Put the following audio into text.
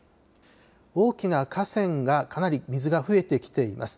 大きな河川がかなり水が増えてきています。